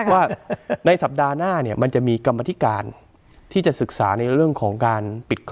ว่าในสัปดาห์หน้ามันจะมีกรรมธิการ